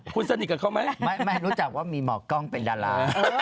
คุณสนิทกับเขาไหมไม่รู้จักว่ามีหมอกล้องเป็นดารา